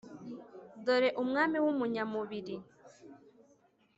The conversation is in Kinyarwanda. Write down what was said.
dore umwami w’umunyamubiri.